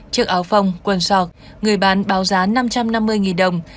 chiếc áo phông quần sọc người bán báo giá năm trăm năm mươi đồng